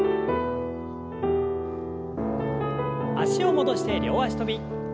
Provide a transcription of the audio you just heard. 脚を戻して両脚跳び。